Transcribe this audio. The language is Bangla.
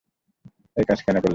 একাজ কেন করলে?